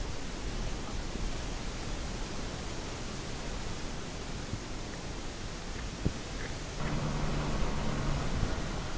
แบบตั้งใจทำให้ข้าวสะพานตรงประตู